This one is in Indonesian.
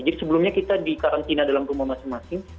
jadi sebelumnya kita di karantina dalam rumah masing masing